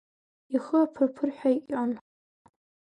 Ихы аԥыр-ԥыр ҳәа иҟьон.